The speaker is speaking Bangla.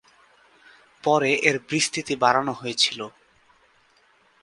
পরে এর বিস্তৃতি বাড়ানো হয়েছিল।